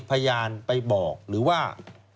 พยานไปบอกหรือว่า